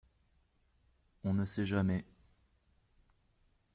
On ne sait jamais.